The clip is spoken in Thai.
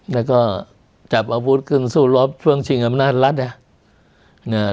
แล้วก็จับอาวุธขึ้นสู้รบช่วงชิงอำนาจรัฐ